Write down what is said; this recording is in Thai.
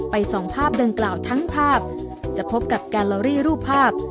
สองภาพดังกล่าวทั้งภาพจะพบกับแกลลอรี่รูปภาพ